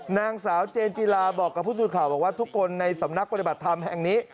นางสาวเจนจิลาบอกกับผู้สื่อข่าวบอกว่าทุกคนในสำนักปฏิบัติธรรมแห่งนี้